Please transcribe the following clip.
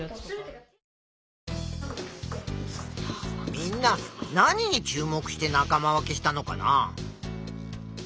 みんな何に注目して仲間分けしたのかな。